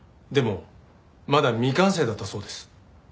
でもまだ未完成だったそうです。